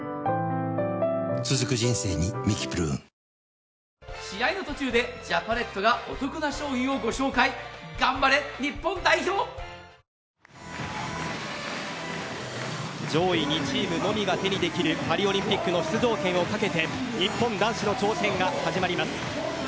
それではこれから試合に先立って両国の国歌です。上位２チームのみが手にできるパリオリンピックの出場権をかけて日本男子の挑戦が始まります。